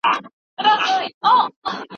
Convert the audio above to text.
خلګ وايي چي د لارښود او شاګرد مزاج باید برابر وي.